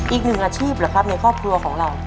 อีกหนึ่งอาชีพเหรอครับในครอบครัวของเรา